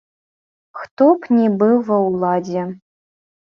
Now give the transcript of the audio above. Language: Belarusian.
Хто б ні быў ва ўладзе.